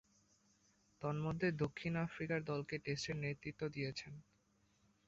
তন্মধ্যে, দক্ষিণ আফ্রিকা দলকে টেস্টে নেতৃত্ব দিয়েছেন।